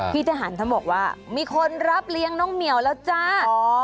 พี่ทหารท่านบอกว่ามีคนรับเลี้ยงน้องเหมียวแล้วจ้า